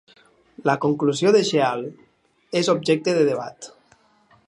La conclusió de Jeal és objecte de debat.